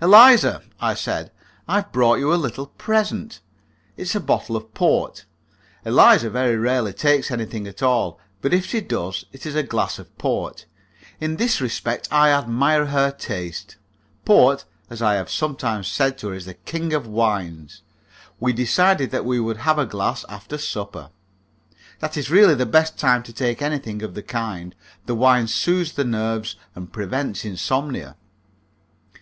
"Eliza," I said, "I have brought you a little present. It is a bottle of port." Eliza very rarely takes anything at all, but if she does it is a glass of port. In this respect I admire her taste. Port, as I have sometimes said to her, is the king of wines. We decided that we would have a glass after supper. That is really the best time to take anything of the kind; the wine soothes the nerves and prevents insomnia.